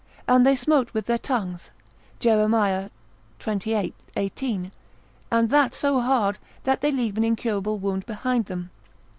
And they smote with their tongues, Jer. xviii. 18, and that so hard, that they leave an incurable wound behind them.